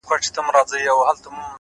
o خو هغه زړور زوړ غم ژوندی گرځي حیات دی؛